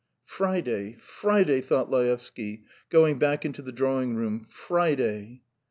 "Friday ... Friday," thought Laevsky, going back into the drawing room. "Friday.